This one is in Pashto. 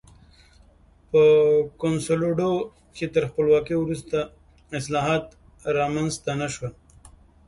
په کنسولاډو کې تر خپلواکۍ وروسته اصلاحات رامنځته نه شول.